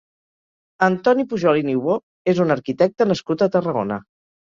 Antoni Pujol i Niubó és un arquitecte nascut a Tarragona.